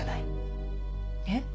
えっ？